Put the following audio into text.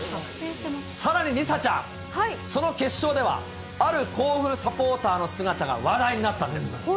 さらに梨紗ちゃん、その決勝では、ある甲府サポーターの姿が話題になったんです。